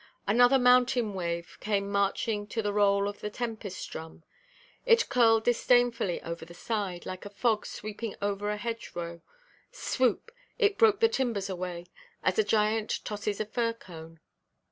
Another mountain–wave came marching to the roll of the tempest–drum. It curled disdainfully over the side, like a fog sweeping over a hedgerow; swoop—it broke the timbers away, as a giant tosses a fir–cone.